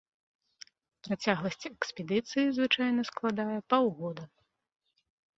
Працягласць экспедыцыі звычайна складае паўгода.